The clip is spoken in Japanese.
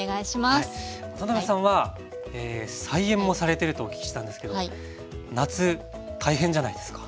ワタナベさんは菜園もされてるとお聞きしたんですけど夏大変じゃないですか？